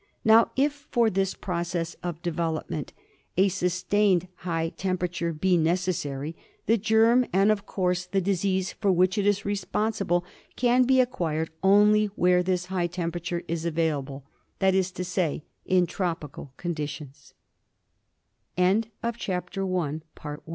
Now, if for this process of development a sustained high temperature be necessary, the germ, and of course the disease for which it is responsible, can be acquired only where this high temperature is available — that is to say, in tropical